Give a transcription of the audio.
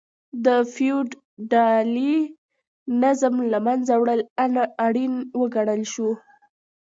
د فیوډالي نظام له منځه وړل اړین وګڼل شو.